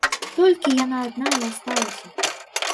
Толькі яна адна і асталася.